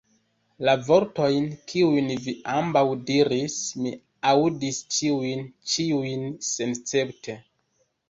La vortojn, kiujn vi ambaŭ diris, mi aŭdis ĉiujn, ĉiujn senescepte.